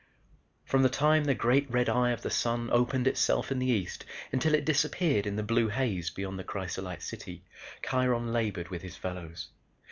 From the time the great red eye of the sun opened itself in the East until it disappeared in the blue haze beyond the crysolite city, Kiron labored with his fellows.